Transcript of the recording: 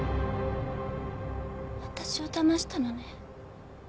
私をだましたのね。